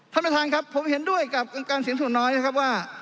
ท่านประธานครับผมเห็นด้วยกับการเสียงส่วนน้อยนะครับว่า